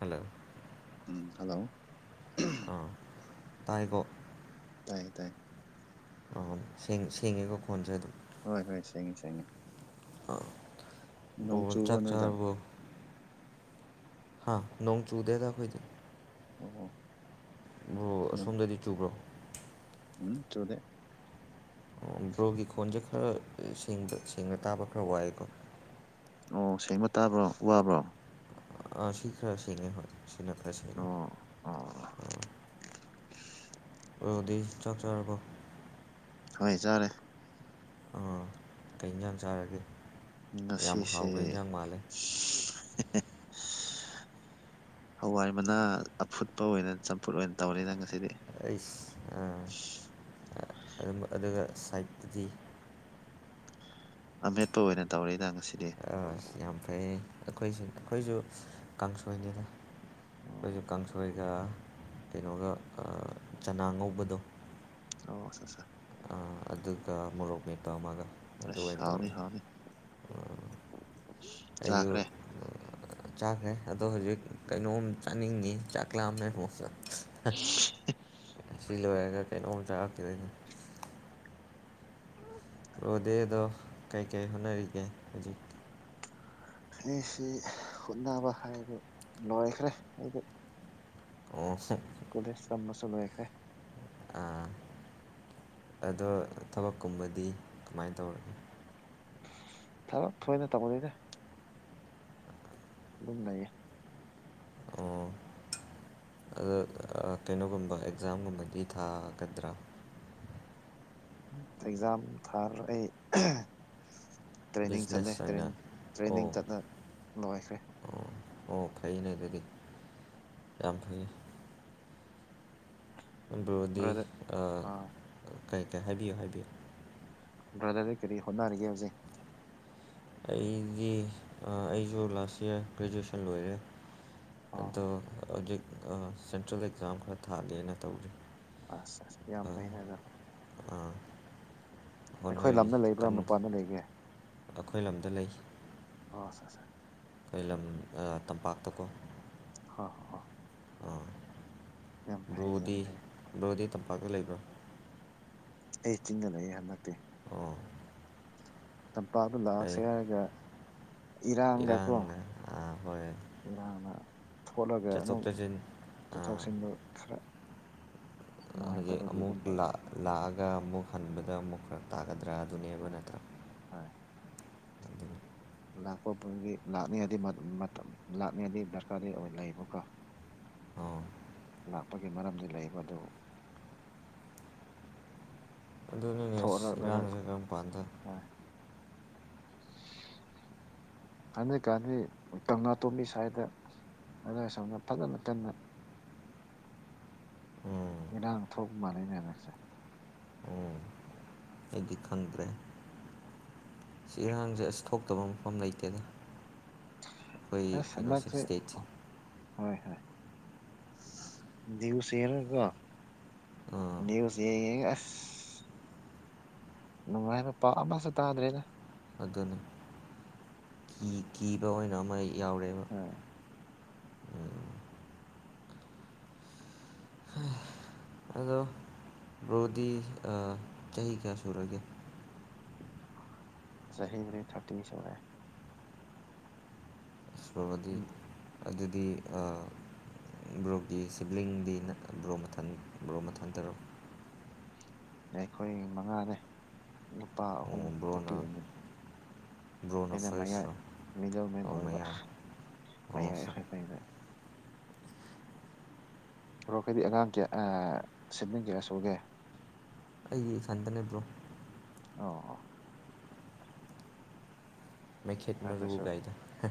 hello ꯎꯝ hello ꯑ ꯇꯥꯏꯀꯣ ꯇꯥꯏ ꯑ ꯁꯦꯡꯉꯦ ꯁꯦꯡꯉꯦꯀꯣ ꯈꯣꯟꯁꯦ ꯑꯗꯨꯝ ꯍꯣꯏ ꯍꯣꯏ ꯁꯦꯡꯉꯦ ꯁꯦꯡꯉꯦ ꯑ ꯍꯣ ꯅꯣꯡ ꯆꯨꯕ꯭ꯔꯣ ꯆꯥꯛ ꯅꯣꯏꯗ ꯆꯥꯔꯕꯣ ꯍꯥꯥ ꯅꯣꯡ ꯆꯨꯗꯦꯗ ꯈꯣꯏꯗꯤ ꯑꯣ ꯑꯣ ꯅꯣꯡ ꯑꯁꯣꯝꯗꯗꯤ ꯆꯨꯕ꯭ꯔꯣ ꯎꯝ ꯆꯨꯗꯦ ꯑꯣ ꯕ꯭ꯔꯣꯒꯤ ꯈꯣꯟꯁꯦ ꯈꯔ ꯁꯦꯡꯅ ꯇꯥꯕ ꯈꯔ ꯋꯥꯏꯑꯦꯀꯣ ꯑꯣ ꯁꯦꯡꯕ ꯇꯥꯕ꯭ꯔꯣ ꯋꯥꯕ꯭ꯔꯣ ꯑ ꯁꯤꯈꯔ ꯁꯦꯡꯉꯦ ꯍ ꯑꯣ ꯑꯣ ꯕ꯭ꯔꯣꯗꯤ ꯆꯥꯛ ꯆꯥꯔꯕꯣ ꯍꯣꯏ ꯆꯥꯔꯦ ꯑꯥ ꯀꯩ ꯏꯟꯁꯥꯡ ꯆꯥꯔꯒꯦ ꯌꯥꯝ ꯉꯁꯤꯁꯦ ꯍꯥꯎꯕ ꯏꯟꯖꯥꯡ ꯃꯥꯜꯂꯦ [unintelligible] ꯍꯋꯥꯏ ꯃꯅꯥ ꯑꯐꯨꯠꯄ ꯑꯣꯏꯅ ꯆꯝꯐꯨꯠ ꯑꯣꯏꯅ ꯇꯧꯔꯦꯅ ꯉꯁꯤꯗꯤ ꯑꯩ ꯑꯗꯨꯒ ꯁꯥꯏꯠꯇꯗꯤ ꯑ ꯃꯦꯠꯇ ꯑꯣꯏ ꯑꯣꯏꯅ ꯇꯧ ꯂꯩꯦꯗꯪꯁꯤꯦ ꯑ ꯌꯥꯝ ꯐꯩ ꯑꯩꯈꯣꯏꯁꯨ ꯑꯩꯈꯣꯏꯁꯨ ꯀꯥꯡꯁꯣꯏꯅꯤꯅ ꯑꯣ ꯑꯩꯈꯣꯏꯁꯨ ꯀꯥꯡꯁꯣꯏꯒ ꯀꯩꯅꯣꯒ ꯆꯅꯥ ꯉꯧꯕꯗꯣ ꯑꯣ ꯁꯦ ꯑꯗꯨꯒ ꯃꯣꯔꯣꯛ ꯃꯦꯠꯄ ꯑꯃꯒ ꯑꯁ ꯑꯗꯨꯃꯥꯏꯅ ꯍꯥꯎꯅꯤ ꯇꯧꯋ ꯍꯥꯎꯅꯤ ꯆꯥꯈ꯭ꯔꯦ ꯑꯩꯌꯁꯨ ꯆꯥꯛꯈ꯭ꯔꯦ ꯑꯗꯣ ꯍꯧꯖꯤꯛ ꯀꯩꯅꯣꯝ ꯆꯥꯅꯤꯡꯉꯤ ꯆꯥꯛꯂꯛꯑꯝꯃꯦ ꯃꯣꯁ ꯁꯤ ꯂꯣꯏꯔꯒ ꯀꯩꯅꯣꯝꯃꯨ ꯆꯔꯀꯗꯣꯏꯅꯤꯣ ꯑꯣꯗꯦ ꯑꯗꯣ ꯀꯩꯀꯩ ꯍꯣꯠꯅꯔꯤꯒꯦ ꯍꯧꯖꯤꯛ ꯑꯩꯁꯤ ꯍꯠꯅꯕ ꯍꯥꯏꯕ ꯂꯣꯏꯈ꯭ꯔꯦ ꯑꯩꯗꯤ ꯑ ꯁ ꯀꯂ ꯆꯝꯃꯁꯂꯨꯦꯈꯦ ꯑꯗꯣ ꯊꯕꯛꯀꯨꯝꯕꯗꯤ ꯀꯃꯥꯏꯅ ꯇꯧꯔꯒꯦ ꯊꯔꯣ ꯊꯣꯏꯅ ꯇꯧꯕꯅꯤꯅꯦ ꯑꯗꯨꯝ ꯂꯩꯌꯦ ꯑꯣ ꯑꯗꯣ ꯀꯩꯅꯣꯒꯨꯝꯕ ꯑꯦꯛꯖꯥꯝꯒꯨꯝꯕꯗꯤ ꯊꯥꯒꯗ꯭ꯔꯥ ꯑꯦꯛꯖꯥꯝ ꯊꯥꯔ ꯑꯩ ꯇ꯭ꯔꯦꯅꯤꯡ ꯆꯠꯂꯦ ꯕꯤꯖꯤꯅꯦꯁ ꯑꯣꯏꯅ ꯇ꯭ꯔꯦꯅꯤꯡ ꯑꯣ ꯆꯠꯂ ꯂꯣꯏꯈ꯭ꯔꯦ ꯑꯣ ꯑꯣ ꯐꯩꯅꯦ ꯑꯗꯨꯗꯤ ꯌꯥꯝ ꯐꯉ ꯑꯗꯨꯗꯤ ꯕ꯭ꯔꯗꯔ ꯑꯥ ꯀꯩꯀꯩ ꯍꯥꯏꯕꯤꯌꯨ ꯍꯥꯏꯕꯤꯌꯨ ꯭ꯔꯗꯔꯗ ꯀꯔꯤ ꯍꯗꯔꯒ ꯍꯧꯖꯦ ꯑꯩꯗꯤ ꯑꯩꯁꯨ ꯂꯥꯁ ꯏꯌꯥꯔ ꯒ꯭ꯔꯦꯖꯨꯑꯦꯁꯟ ꯂꯣꯏꯔꯦ ꯑꯣ ꯑꯗꯣ ꯍꯧꯖꯤꯛ ꯁꯦꯟꯇ꯭ꯔꯦꯜ ꯑꯦꯛꯖꯥꯝ ꯈꯔ ꯊꯥꯜꯂꯤꯅ ꯇꯧꯔꯤ ꯑꯁ ꯑꯁ ꯌꯥꯝ ꯐꯅꯦꯗ ꯑꯩꯈꯣꯏ ꯍꯣꯠꯅꯔꯤ ꯂꯝꯅ ꯂꯩꯕ꯭ꯔꯥ ꯀꯟꯅ ꯃꯄꯥꯟꯗ ꯂꯩꯒꯦ ꯑꯩꯈꯣꯏ ꯂꯝꯗ ꯂꯩ ꯄꯥꯁꯁꯔ ꯐꯂꯝ ꯇꯝꯄꯥꯛꯇꯀꯣ ꯍ ꯍ ꯌꯥꯝ ꯕ꯭ꯔꯣꯗꯤ ꯐꯩ ꯕ꯭ꯔꯣꯗꯤ ꯇꯝꯄꯥꯛꯇ ꯂꯩꯕ꯭ꯔꯥ ꯑꯩ ꯆꯤꯡꯗꯅ ꯑꯩ ꯍꯟꯗꯛꯇꯦ ꯑꯣ ꯆꯝꯄꯥꯛꯗꯨ ꯂꯥꯛꯑꯁꯦ ꯑꯩ ꯍꯥꯏꯔꯒ ꯏꯔꯒꯀꯣ ꯏꯔꯥꯡꯅ ꯍꯣꯏ ꯏꯔ ꯊꯣꯛꯣꯠꯂꯒ ꯆꯠꯊꯣꯛ ꯑꯃꯨꯛ ꯆꯠꯁꯤꯟ ꯆꯠꯊꯣꯛꯁꯤꯟꯗꯨ ꯈꯔ ꯍꯧꯖꯤꯛ ꯅꯨꯡꯉꯥꯏꯇꯕꯒꯤ ꯑꯃꯨꯛ ꯑꯗꯨꯝ ꯂꯩꯌꯦ ꯂꯥ ꯒ ꯑꯃꯨꯛ ꯍꯟꯕꯗ ꯑꯃꯨꯛ ꯈꯔ ꯇꯥꯒꯗ꯭ꯔꯥ ꯑꯗꯨꯅꯦꯕ ꯍꯣꯏ ꯅꯠꯇ꯭ꯔꯥ ꯑꯗꯨꯅꯤ ꯂꯥꯛꯄ ꯐꯪꯗꯤ ꯂꯥꯛꯅꯤꯉꯗꯤ ꯃ ꯃꯇꯝ ꯂꯥꯛꯅꯤꯉꯗꯤ ꯗꯔꯀꯥꯔꯗꯤ ꯑꯣꯏ ꯂꯩꯕꯀꯣ [inaudible] ꯂꯥꯛꯄꯒꯤ ꯃꯔꯝꯗꯤ ꯂꯩꯕ ꯑꯗꯨ ꯊꯣꯔꯛꯔꯒ ꯇꯥꯏꯕꯪꯄꯥꯟꯗ ꯍꯟꯗꯛ ꯀꯥꯟꯗꯤ ꯀꯪꯂ ꯇꯣꯝꯕꯤ ꯁꯥꯏꯗ ꯑꯗꯨꯏ ꯁꯣꯝꯅ ꯐꯖꯅ ꯀꯟꯅ [inaudible] ꯎꯝ ꯏꯔꯥꯡ ꯊꯣꯛ ꯃꯥꯂꯦꯅꯦ ꯉꯏꯁꯦ ꯎꯝ ꯑꯩꯗꯤ ꯈꯪꯗ꯭ꯔꯦ ꯁꯤ ꯏꯔꯥꯡꯖꯦ ꯑꯁ ꯊꯣꯛꯇꯕ ꯃꯐꯝ ꯂꯩꯇꯦꯗ ꯑꯈꯣꯏ ꯑꯁ ꯀꯩꯅꯣ ꯍꯟꯗꯛꯁꯦ ꯁꯇꯦꯠꯁꯦ ꯗꯌꯨꯁꯦꯔꯒꯀꯣ ꯑꯥ ꯅ꯭ꯌꯨꯁ ꯌꯦꯡ ꯌꯦꯉ ꯑꯁ ꯅꯨꯉꯥꯏꯔꯦ ꯄꯥ ꯑꯃꯁꯨ ꯇꯥꯗ꯭ꯔꯦꯗ ꯑꯗꯨꯅꯤ ꯀꯤ ꯀꯤꯕ ꯑꯣꯏꯅ ꯑꯃ ꯌꯥꯎꯔꯦꯕ ꯍꯣꯏ ꯎꯝ ꯑꯗꯣ ꯕ꯭ꯔꯣꯗꯤ ꯑꯥ ꯆꯍꯤ ꯀꯌꯥ ꯁꯨꯔꯒꯦ ꯆꯍꯤ ꯕꯨꯗꯤ ꯊꯔꯇꯤ ꯁꯨꯔꯦ ꯕꯔꯣꯗꯤ ꯑꯗꯨꯗꯤ ꯑꯥ ꯕ꯭ꯔꯣꯒꯤ ꯁꯤꯕ꯭ꯂꯤꯡꯗꯤ ꯅꯠ ꯑꯥ ꯕ꯭ꯔꯣ ꯃꯊꯟ ꯕ꯭ꯔꯣ ꯃꯊꯟ ꯇꯔꯣ ꯌꯈꯣꯏ ꯃꯉꯥꯅꯦ ꯅꯨꯄꯥ ꯑꯍꯨꯝ ꯑꯣ ꯅꯨꯄꯤ ꯕ꯭ꯔꯣꯅ ꯑꯅꯤ ꯕ꯭ꯔꯣꯅ ꯑꯩꯅ ꯃꯌꯥꯏ ꯐꯥꯔꯁꯔꯣ ꯃꯤꯗꯜꯃꯦꯟ ꯑꯧ ꯑꯣꯏꯕ ꯃꯌꯥꯏ ꯑꯍꯥ ꯑꯣ ꯃꯌꯥꯏ ꯑꯣꯏꯕ ꯑꯩꯅ ꯕꯔꯣꯈꯣꯏꯗꯤ ꯑꯉꯥꯡ ꯀꯌꯥ ꯑꯥ ꯁꯤꯕꯂꯤꯡ ꯀꯌꯥ ꯁꯨꯒꯦ ꯑꯩꯒꯤ ꯏꯊꯟꯗꯅꯦ ꯕ꯭ꯔꯣ ꯑꯣꯑꯣ ꯃꯩꯈꯦꯠ ꯃꯔꯨ ꯑꯗꯨꯁꯨ ꯒꯥꯏꯗꯣ ꯍꯥ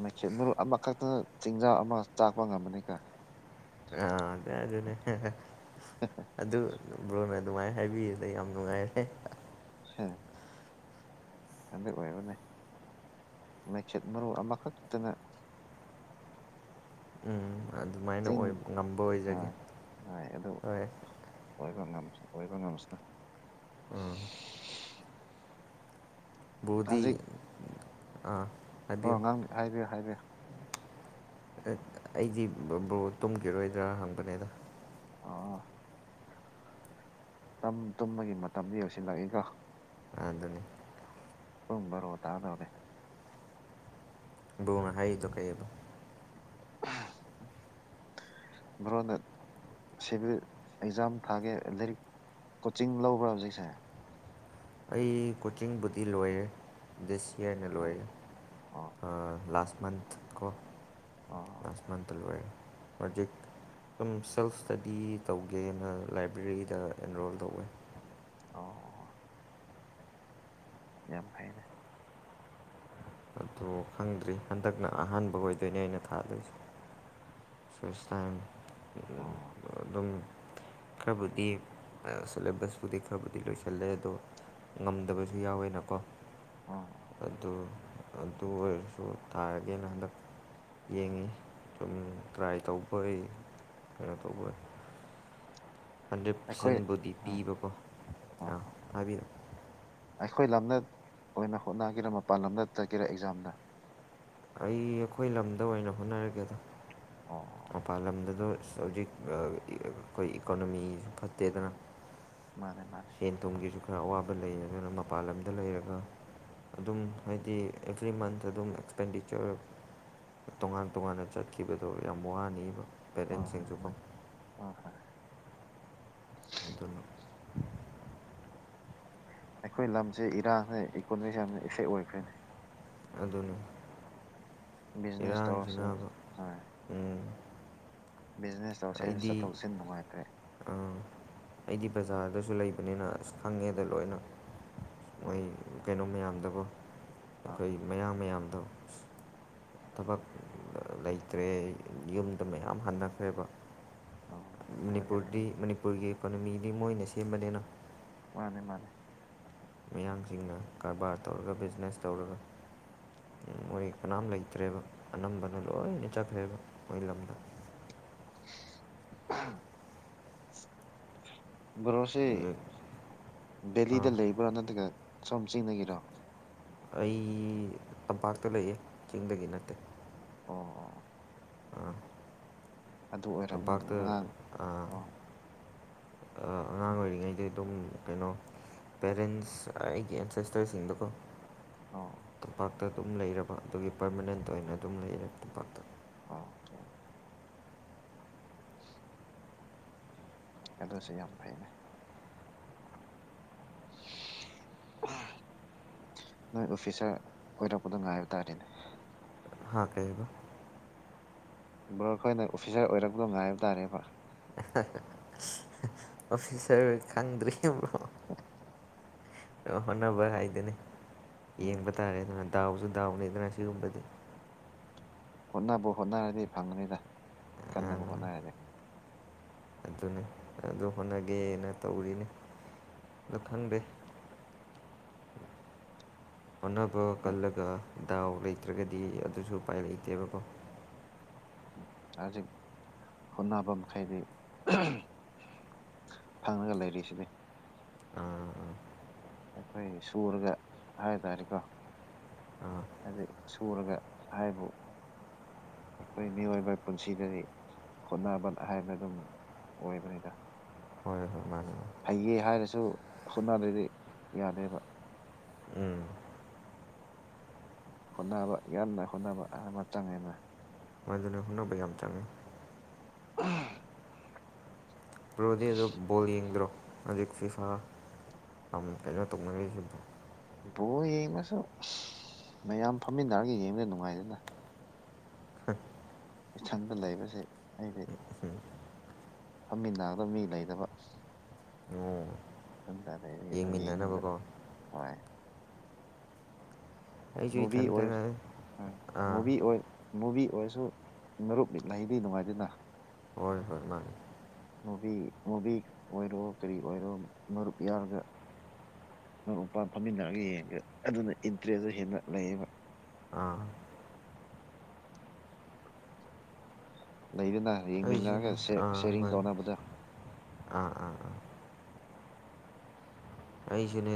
ꯃꯩꯈꯦꯠ ꯃꯔꯨ ꯑꯃꯈꯛꯇꯅ ꯆꯤꯡꯖꯥꯎ ꯑꯃ ꯆꯥꯛꯄ ꯉꯝꯃꯅꯤꯀ ꯑꯗꯦ ꯑꯗꯨꯅꯦ ꯍꯦ ꯍꯦ ꯑꯗꯨ ꯕꯔꯣꯅ ꯅꯨꯡꯉꯥꯏ ꯍꯥꯏꯕꯤꯔꯤꯗ ꯌꯥꯝ ꯅꯨꯡꯉꯥꯏꯔꯦ ꯍꯦ ꯍꯥ ꯍꯥ ꯍꯝ ꯑꯗꯨ ꯑꯣꯏꯕꯅꯦ ꯈꯦꯠ ꯃꯔꯨ ꯑꯃꯈꯛꯇꯅ ꯎꯝ ꯑꯗꯨꯃꯥꯏꯅ ꯆꯤꯡ ꯑꯣꯏ ꯉꯝꯕ ꯑꯣꯏꯖꯒꯦ ꯍꯣꯏ ꯍꯣꯏ ꯉꯝꯁ ꯑꯣꯏꯕ ꯉꯝꯁꯅꯨ ꯎꯝ ꯕ꯭ꯔꯣꯗꯤ ꯖꯤꯛ ꯑꯥ ꯑꯣ ꯍꯥꯏꯕꯤꯌꯨ ꯉꯥꯡ ꯍꯥꯏꯔꯦ ꯍꯥꯏꯔꯦ ꯑꯛ ꯑꯩꯗꯤ ꯕ ꯕꯔꯣ ꯇꯨꯝꯒꯤꯔꯣꯏꯗ꯭ꯔꯥ ꯍꯪꯕꯅꯦꯗ ꯑꯥ ꯎꯝ ꯇꯨꯝꯕꯒꯤ ꯃꯇꯝꯗꯤ ꯌꯧꯁꯤꯜꯂꯛꯏꯀꯣ ꯑꯗꯨꯅꯤ ꯕꯥꯔꯣ ꯇꯥꯗꯧꯔꯦ ꯕꯔꯣꯅ ꯍꯥꯏꯔꯤꯗꯣ ꯀꯩ ꯑꯕ ꯕ꯭ꯔꯣꯅ ꯁꯤꯚꯤꯜ ꯑꯦꯛꯖꯥꯝ ꯊꯥꯒꯦ ꯂꯥꯏꯔꯤꯛ ꯀꯣꯆꯤꯡ ꯂꯧꯕ꯭ꯔꯥ ꯍꯧꯖꯤꯛꯁꯦ ꯑꯩ ꯀꯣꯆꯤꯡꯕꯨꯗꯤ ꯂꯣꯏꯔꯦ ꯗꯤꯁ ꯄꯤꯔꯒ ꯑꯣ ꯂꯣꯏꯔꯦ ꯑꯣ ꯑꯥ ꯂꯥꯁ ꯃꯟꯊ ꯀꯣ ꯑꯣ ꯂꯥꯁ ꯃꯟꯇ ꯂꯣꯏꯔꯦ ꯍꯧꯖꯤꯛ ꯁꯨꯝ ꯁꯦꯜꯐ ꯏꯁꯇꯗꯤ ꯇꯧꯒꯦꯅ ꯂꯥꯏꯕ꯭ꯔꯦꯔꯤꯗ ꯑꯦꯟꯔꯣꯜ ꯇꯧꯋꯦ ꯑꯣ ꯌꯥꯝ ꯐꯩꯌꯅꯦ ꯕꯔꯣ ꯈꯪꯗ꯭ꯔꯤ ꯍꯟꯗꯛꯅ ꯑꯍꯥꯟꯕ ꯑꯣꯏꯗꯣꯏꯅꯦ ꯑꯩꯅ ꯊꯥꯗꯣꯏꯖꯦ ꯁꯨꯏꯁ ꯇꯥꯏꯝ ꯑꯣ ꯑꯥ ꯑꯗꯨꯝ ꯈꯔꯕꯨꯗꯤ ꯑꯥ ꯁꯤꯂꯦꯕꯁꯄꯨꯗꯤ ꯈꯔꯕꯨꯗꯤ ꯂꯣꯌꯁꯤꯜꯂꯦ ꯑꯗꯣ ꯉꯝꯗꯕꯁꯨ ꯌꯥꯎꯋꯦꯅꯀꯣ ꯑꯣ ꯑꯗꯨ ꯑꯗꯨ ꯑꯣꯏꯔꯁꯨ ꯊꯥꯔꯒꯦꯅ ꯍꯟꯗꯛ ꯌꯦꯡꯉꯤ ꯁꯨꯝ ꯇ꯭ꯔꯥꯏ ꯇꯧꯕꯩ ꯀꯩꯅꯣ ꯇꯧꯕꯩ ꯍꯟꯗ꯭ꯔꯦꯠ ꯑꯩꯈꯣꯏ ꯄꯥꯔꯁꯦꯟꯕꯨꯗꯤ ꯑ ꯑꯣ ꯄꯤꯕꯀꯣ ꯑꯥ ꯑꯣ ꯍꯥꯏꯕꯤꯌꯨꯑꯣ ꯑꯩꯈꯣꯏ ꯂꯝꯗ ꯑꯣꯏꯅ ꯍꯣꯠꯅꯒꯦꯔ ꯃꯄꯥꯟ ꯂꯝꯗ ꯆꯒꯦꯔꯥ ꯑꯦꯛꯖꯥꯝꯗ ꯑꯩ ꯑꯩꯈꯣꯏ ꯂꯝꯗ ꯑꯣꯏꯅ ꯍꯣꯠꯅꯔꯒꯦꯗ ꯑꯣ ꯃꯄꯥꯜ ꯂꯝꯗꯗ ꯍꯧꯖꯤꯛ ꯑꯩꯈꯣꯏ ꯏꯀꯣꯅꯣꯃꯤꯁꯨ ꯐꯠꯇꯦꯗꯅ ꯃꯥꯅꯦ ꯃꯥꯅꯦ ꯁꯦꯟ ꯊꯨꯝꯒꯤꯁꯨ ꯈꯔ ꯑꯋꯥꯕ ꯂꯩ ꯑꯗꯨꯅ ꯃꯄꯥꯟ ꯂꯝꯗ ꯂꯩꯔꯒ ꯑꯗꯨꯝ ꯍꯥꯏꯗꯤ ꯑꯦꯕ꯭ꯔꯤ ꯃꯟꯊ ꯑꯗꯨꯝ ꯑꯦꯛꯁꯄꯦꯟꯗꯤꯆꯔ ꯇꯣꯉꯥꯟ ꯇꯣꯉꯥꯟꯅ ꯆꯠꯈꯤꯕꯗꯣ ꯌꯥꯝ ꯋꯥꯅꯤꯕ ꯍꯣꯏ ꯍꯣꯏ ꯄꯦꯔꯦꯟꯁꯤꯡꯁꯨꯀꯣ ꯃꯥꯅꯦ ꯍꯣꯏ ꯍꯣꯏ ꯑꯗꯨꯅ ꯑꯩꯈꯣꯏ ꯂꯝꯁꯦ ꯏꯔꯥꯡꯁ ꯏꯀꯣꯅꯣꯃꯤꯁꯤꯦ ꯌꯥꯝꯅ ꯏꯐꯦꯛ ꯑꯣꯏ ꯑꯩꯈꯣꯏꯅꯦ ꯑꯗꯨꯅ ꯕꯤꯖꯤꯅꯦꯁ ꯇꯧꯔꯁꯨ ꯏꯔꯥꯡꯁꯤꯅꯕ ꯍꯣꯏ ꯎ ꯕꯤꯖꯤꯅꯦꯁ ꯇꯧꯁꯦ ꯑꯩꯗꯤ ꯆꯠꯊꯣꯛ ꯆꯠꯁꯤꯟ ꯅꯨꯡꯉꯥꯏꯇ꯭ꯔꯦ ꯑꯩꯗꯤ ꯕꯖꯥꯔ ꯗꯁꯨ ꯂꯩꯕꯅꯤꯅ ꯑꯁ ꯈꯪꯉꯦꯗ ꯂꯣꯏꯅ ꯃꯣꯏ ꯑꯥ ꯀꯩꯅꯣ ꯃꯌꯥꯝꯗꯕꯨ ꯑꯥ ꯑꯩꯈꯣꯏ ꯃꯌꯥꯝꯡ ꯃꯌꯥꯝꯗ ꯊꯕꯛ ꯂꯩꯇ꯭ꯔꯦ ꯌꯨꯝꯗ ꯃꯌꯥꯝ ꯍꯟꯅꯈ꯭ꯔꯦꯕ ꯑꯥ ꯑꯣꯏꯒꯅꯤ ꯃꯅꯤꯄꯨꯔꯗꯤ ꯑꯣꯏꯒꯅꯤ ꯃꯅꯤꯄꯨꯔꯒꯤ ꯏꯀꯣꯅꯣꯃꯤꯗꯤ ꯃꯣꯏꯅ ꯁꯦꯝꯕꯅꯤꯅ ꯃꯥꯅꯤꯦ ꯃꯥꯅꯤꯦ ꯃꯌꯥꯝꯁꯤꯡꯅ ꯀꯔꯕꯥꯔ ꯇꯧꯔꯒ ꯕꯤꯖꯤꯅꯦꯁ ꯇꯧꯔꯒ ꯃꯣꯏ ꯀꯅꯥꯝ ꯂꯩꯇ꯭ꯔꯦꯕ ꯑꯅꯝꯕꯅ ꯂꯣꯏꯅ ꯆꯠꯈ꯭ꯔꯦꯕ ꯃꯣꯏ ꯂꯝꯗ [unintelligible] [inaudible] ꯕꯣꯔꯣꯁꯤ ꯍꯧꯖꯤꯛ ꯕꯦꯂꯤꯗ ꯑꯥ ꯂꯩꯕ꯭ꯔꯥ ꯅꯠꯇ꯭ꯔꯒ ꯁꯣꯝ ꯆꯤꯡꯅꯒꯤꯔꯣ ꯑꯩ ꯇꯝꯄꯥꯛꯇ ꯂꯩꯌꯦ ꯆꯤꯡꯗꯒꯤ ꯅꯠꯇꯦ ꯑꯣ ꯑꯥ ꯑꯗꯨ ꯑꯣꯏꯔꯕꯝꯔꯕꯅꯦ ꯇꯝꯄꯥꯛꯇ ꯉꯉꯥꯡ ꯑꯣ ꯉꯥꯡ ꯀꯍꯤꯉꯩ ꯑꯗꯨꯝ ꯀꯩꯅꯣ ꯄꯦꯔꯦꯟꯁ ꯑꯩꯒꯤ ꯑꯦꯟꯁꯦꯁꯇꯔꯁꯤꯡꯗꯀꯣ ꯑꯣ ꯑꯣ ꯇꯝꯄꯥꯛꯇ ꯑꯗꯨꯝ ꯂꯩꯔꯕ ꯑꯗꯨꯒꯤ ꯄꯔꯃꯅꯦꯟꯠ ꯑꯣꯏꯅ ꯑꯗꯨꯝ ꯂꯩꯔꯦ ꯇꯝꯄꯥꯛꯇ ꯑꯣꯀꯦ ꯑꯣꯀꯦ ꯑꯗꯨꯁꯨ ꯌꯥꯝ ꯐꯩꯅꯦ [inaudible] ꯅꯣꯏ ꯑꯣꯐꯤꯁꯇ ꯑꯣꯏꯔꯛꯄꯗꯣ ꯉꯥꯏꯕ ꯇꯥꯔꯦꯅꯦ ꯍꯥ ꯀꯩꯕ ꯕ꯭ꯔꯣ ꯑꯩꯈꯣꯏꯅ ꯑꯣꯐꯤꯁꯥꯔ ꯑꯣꯏꯔꯛꯄꯗꯣ ꯉꯥꯏꯕ ꯇꯥꯔꯦꯕ ꯑꯣꯐꯤꯁꯔ ꯈꯪꯗꯔꯤ ꯑꯣ ꯅꯕꯔ ꯍꯥꯏꯗꯅꯤ ꯎꯝ ꯌꯦꯡꯕ ꯇꯥꯔꯦ ꯑꯗꯨꯅ ꯗꯥꯎꯕꯁꯨ ꯗꯥꯎꯅꯤꯗꯅ ꯁꯤꯒꯨꯝꯕꯗꯤ ꯍꯣꯠꯅꯕ ꯍꯣꯠꯅꯔꯗꯤ ꯐꯪꯒꯅꯤꯗ ꯀꯟꯅꯕꯕꯨ ꯍꯣꯠꯅꯔꯅꯤ ꯑꯗꯨꯅꯤ ꯑꯗꯨ ꯍꯣꯠꯅꯒꯦꯅ ꯇꯧꯔꯤꯅꯦ ꯑꯗꯨ ꯈꯟꯗꯦ ꯍꯣꯠꯅꯕ ꯀꯜꯂꯒ ꯗꯥꯎ ꯂꯩꯇ꯭ꯔꯒꯗꯤ ꯑꯗꯨꯁꯨ ꯎꯄꯥꯏ ꯂꯩꯇꯦꯕꯀꯣ ꯍꯧꯖꯤꯛ ꯍꯣꯠꯅꯕ ꯃꯈꯩꯗꯤ ꯐꯪꯉꯒ ꯂꯩꯔꯤꯁꯤꯗꯤ ꯑꯥ ꯑꯥ ꯑꯩꯈꯣꯏ ꯁꯨꯔꯒ ꯍꯥꯏ ꯇꯥꯔꯦꯀꯣ ꯑꯥ ꯑꯗꯨ ꯁꯨꯔꯒ ꯍꯥꯏꯕꯨ ꯑꯩꯈꯣꯏ ꯃꯤꯑꯣꯏꯕ ꯄꯨꯟꯁꯤꯗꯗꯤ ꯍꯣꯠꯅꯕ ꯍꯥꯏꯕꯅ ꯑꯗꯨꯝ ꯑꯣꯏꯕꯅꯤꯗ ꯍꯣꯏ ꯍꯣꯏ ꯃꯥꯅꯤ ꯃꯥꯅꯤ ꯍꯩꯌꯦꯦ ꯍꯥꯏꯔꯁꯨ ꯍꯣꯠꯅꯗ꯭ꯔꯗꯤ ꯌꯥꯗꯦꯕ ꯎꯝ ꯍꯣꯠꯅꯕ ꯌꯥꯝꯟꯅ ꯍꯣꯠꯅꯕ ꯑꯃꯇꯪꯅ ꯃꯣꯏꯗꯨꯅ ꯍꯣꯅꯅꯕ ꯌꯥꯝ ꯆꯪꯉꯦ ꯑ ꯔꯣꯗꯤ ꯑꯗꯨ ꯕꯣꯜ ꯌꯦꯡꯗ꯭ꯔꯣ ꯍꯧꯖꯤꯛꯁꯤ ꯁꯥ ꯑꯃ ꯀꯩꯅꯣ ꯇꯨꯡꯅꯒꯗꯣ ꯕꯣ ꯌꯦꯡꯉꯁꯨ ꯃꯌꯥꯝ ꯐꯝꯃꯤꯟꯅꯔꯒ ꯌꯦꯡꯕꯗ ꯅꯨꯡꯉꯥꯏꯗꯅ ꯏꯊꯪꯗ ꯂꯩꯕꯁꯦ ꯑꯩꯗꯤ ꯐꯝꯃꯤꯟꯅꯒꯗꯕ ꯃꯤ ꯂꯩꯅꯕ ꯑꯣ ꯗꯔꯦꯅ ꯌꯦ ꯌꯦꯡꯃꯤꯟꯅꯅꯕꯀꯣ ꯍꯦ ꯑꯩꯁꯨ ꯃꯨꯚꯤ ꯑꯣꯏ ꯏꯊꯟꯇꯅ ꯑꯥ ꯃꯨꯚꯤ ꯑꯣꯏ ꯃꯨꯚꯤ ꯑꯣꯏꯔꯁꯨ ꯃꯔꯨꯞ ꯃꯤꯠ ꯂꯩꯗꯤ ꯅꯨꯡꯉꯥꯏꯗꯅ ꯑꯣꯏ ꯃꯥꯅꯤ ꯃꯕꯤ ꯃꯕꯤ ꯑꯣꯏꯔꯣ ꯀꯔꯤ ꯑꯣꯏꯔꯣ ꯃꯔꯨꯄꯤ ꯃꯔꯨꯞ ꯃꯄꯥꯡ ꯐꯝꯃꯤꯟꯅꯔꯒ ꯌꯦꯡꯉꯒ ꯑꯗꯨꯅ ꯏꯟꯇꯔꯦꯁꯇ ꯍꯦꯟꯅ ꯂꯩ꯭ꯂꯕ ꯑꯥ ꯂꯩꯗꯨꯅ ꯑꯩꯁꯨꯅꯦ ꯌꯦꯡꯃꯤꯟꯅꯔꯒ ꯑꯥ ꯁꯦꯔꯤꯡ ꯍꯣꯏ ꯇꯧꯅꯕꯗ ꯑꯥ ꯑꯥ ꯑꯥ ꯑꯩꯁꯨꯅꯦ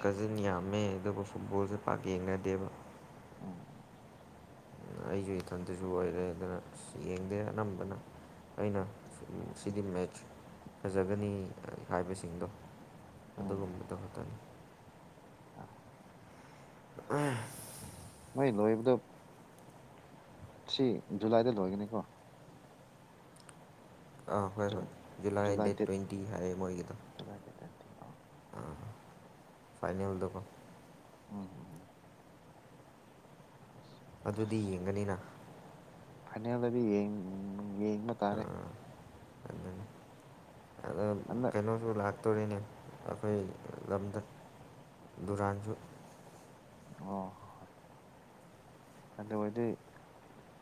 ꯀꯖꯤꯟ ꯌꯥꯝꯃꯦ ꯑꯗꯨꯕꯨ ꯐꯨꯠꯕꯣꯜꯁꯦ ꯄꯥꯛ ꯌꯦꯡꯅꯗꯦꯕ ꯎꯝ ꯑꯩꯁꯨ ꯏꯊꯟꯇꯁꯨ ꯑꯣꯏꯔꯦ ꯑꯗꯨꯅ ꯌꯦꯡꯗꯦ ꯑꯅꯝꯕꯅ ꯑꯩꯅ ꯁꯤꯗꯤ ꯃꯦꯠꯆ ꯐꯖꯒꯅꯤ ꯍꯥꯏꯕꯁꯤꯡꯗꯣ ꯑꯗꯨꯗꯒꯨꯝꯕꯤꯗ ꯇꯅꯤ ꯑ ꯑ ꯃꯣꯏ ꯂꯣꯏꯕꯗ ꯁꯤ ꯖꯨꯂꯥꯏꯗ ꯂꯣꯏꯒꯅꯤꯀꯣ ꯑꯥ ꯍꯣꯏ ꯍꯣꯏ ꯖꯨꯂꯥꯏ ꯗꯦꯠ ꯇ꯭ꯋꯦꯟꯇꯤ ꯍꯥꯏꯌꯦ ꯃꯣꯏꯒꯤꯗꯣ ꯖꯨꯂꯥꯏ ꯗꯦꯠ ꯇ꯭ꯋꯦꯟꯇꯤ ꯑꯣ ꯐꯥꯏꯅꯦ ꯍꯜꯗꯀꯣ ꯎꯝ ꯑꯗꯨꯗꯤ ꯌꯦꯡꯒꯅꯤꯅ ꯐꯥꯏꯅꯦꯜꯗꯗꯤ ꯌꯦꯡꯕ ꯇꯥꯔꯦ ꯍꯟꯗꯛ ꯀꯩꯅꯣ ꯁ ꯂꯥꯛ ꯆꯠꯇꯣꯔꯤꯅꯦ ꯑꯩꯈꯣꯏ ꯂꯝꯗ ꯗꯨꯔꯥꯟꯁꯨ ꯑꯣ ꯍ ꯍ ꯑꯗꯨ ꯑꯣꯏꯗꯤ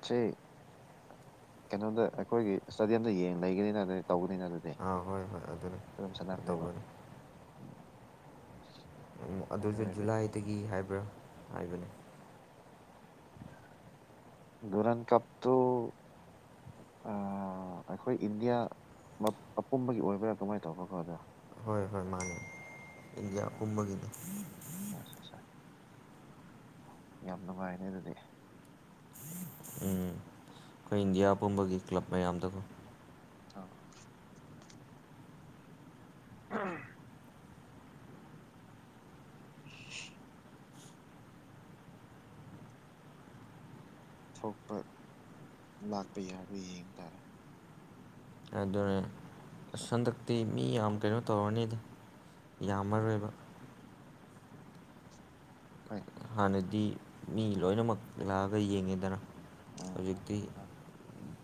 ꯁꯤ ꯀꯩꯅꯣꯗ ꯑꯩꯈꯣꯏꯒꯤ ꯏꯁꯇꯗꯤꯌꯝꯗ ꯌꯦꯡ ꯂꯩꯒꯅꯤꯅ ꯑꯗꯨꯗꯤ ꯇꯧꯕꯅꯤꯅ ꯑꯗꯨꯗꯤ ꯑꯥ ꯍꯣꯏ ꯍꯣꯏ ꯑꯗꯨꯅꯤ ꯑꯗꯨꯝ ꯆꯅꯥꯅꯦꯕ ꯇꯧꯕꯅꯤ ꯑꯗꯨ ꯑꯗꯨꯁꯨ ꯑꯣꯏꯔꯗꯤ ꯖꯨꯂꯥꯏꯗꯒꯤ ꯍꯥꯏꯕ꯭ꯔꯥ ꯍꯥꯏꯕꯅꯤ ꯒꯨꯔꯟ ꯀꯞ ꯇ [inaudible] ꯑꯩꯈꯣꯏ ꯏꯟꯗꯤꯌꯥ ꯑꯄꯨꯝꯕꯒꯤ ꯑꯣꯏꯕ꯭ꯔꯥ ꯀꯃꯥꯏꯅ ꯇꯧꯕ꯭ꯔꯥꯀꯣ ꯑꯗ ꯍꯣꯏ ꯍꯣꯏ ꯃꯥꯅꯦ ꯏꯟꯗꯤꯌꯥ ꯄꯨꯝꯕꯒꯤꯅꯦ ꯑ ꯑ ꯌꯥꯝ ꯅꯨꯡꯉꯥꯏꯅꯦ ꯑꯗꯨꯗꯤ ꯎꯝ ꯑꯩꯈꯣꯏ ꯏꯟꯗꯤꯌꯥ ꯄꯨꯝꯕꯒꯤ ꯀ꯭ꯂꯕ ꯃꯌꯥꯝꯗꯀꯣ ꯑ ꯑꯥ ꯊꯣꯛꯄ ꯂꯥꯛꯄ ꯌꯥꯕ ꯌꯦꯡꯕ ꯇꯥꯔꯦ ꯑꯗꯨꯅ ꯑꯗꯨꯁꯨ ꯁꯟꯗꯛꯇꯛꯇꯤ ꯃꯤ ꯌꯥꯝ ꯀꯩꯅꯣ ꯇꯧꯔꯅꯤꯗꯤ ꯌꯥꯝꯃꯔꯣꯏꯕ ꯍꯣꯏ ꯍꯥꯟꯅꯗꯤ ꯃꯤ ꯂꯣꯏꯅꯃꯛ ꯂꯥꯛꯑꯒ ꯌꯦꯡꯉꯦꯗꯅ ꯎꯝ ꯍꯣꯏ ꯄꯖꯨꯛꯇꯤ ꯍꯣꯏ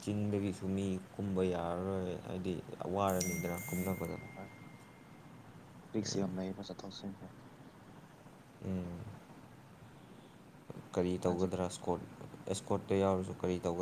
ꯆꯤꯟꯗꯒꯤꯁꯨ ꯃꯤ ꯀꯨꯝꯕ ꯌꯥꯔꯔꯣꯏ ꯍꯥꯏꯗꯤ ꯋꯥꯔꯅꯤꯗꯅ ꯀꯨꯝꯅꯕꯗ ꯍꯣꯏ ꯔꯤꯛꯁ ꯌ ꯂꯩꯕ ꯆꯠꯊꯣꯛ ꯆꯠꯁꯤꯟꯁꯦ ꯀꯔꯤ ꯍꯧꯖꯤꯛ ꯇꯧꯒꯗ꯭ꯔꯥ ꯁꯀꯣꯔꯠ ꯑꯦꯁꯀꯣꯔꯠꯇ ꯌꯥꯎꯔꯁꯨ ꯀꯔꯤ ꯇꯧꯒꯗ